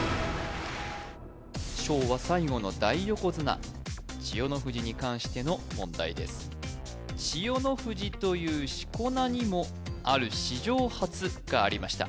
昭和最後の大横綱千代の富士に関しての問題です「千代の富士」という四股名にもある史上初がありました